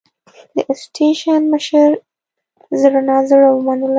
د سټېشن مشر زړه نازړه ومنله.